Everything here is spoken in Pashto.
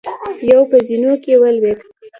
يو په زينو کې ولوېد.